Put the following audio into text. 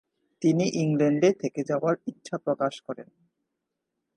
তিনি ইংল্যান্ডে থেকে যাওয়ার ইচ্ছা প্রকাশ করেন।